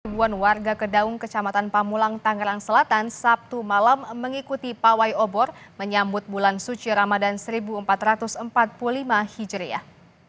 ribuan warga kedaung kecamatan pamulang tangerang selatan sabtu malam mengikuti pawai obor menyambut bulan suci ramadan seribu empat ratus empat puluh lima hijriah